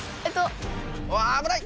あぶない！